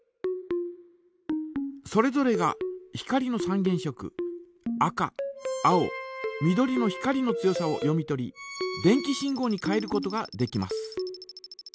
それぞれが光の三原色赤青緑の光の強さを読み取り電気信号に変えることができます。